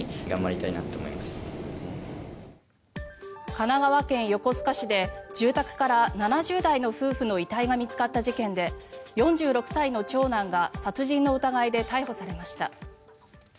神奈川県横須賀市で住宅から７０代の夫婦の遺体が見つかった事件で４６歳の長男が殺人の疑いで逮捕されました。